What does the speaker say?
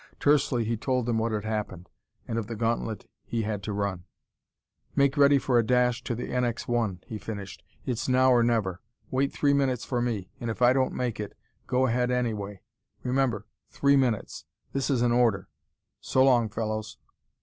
Tersely he told them what had happened, and of the gauntlet he had to run. "Make ready for a dash to the NX 1," he finished. "It's now or never. Wait three minutes for me, and if I don't make it, go ahead anyway. Remember three minutes. This is an order. So long, fellows!"